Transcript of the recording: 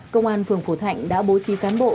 công an phường phổ thạnh đã bố trí cán bộ